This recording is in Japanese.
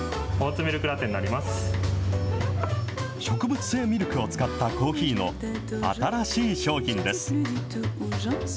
植物性ミルクを使ったコーヒーの新しい商品です。